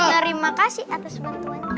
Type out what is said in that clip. terima kasih atas bantuan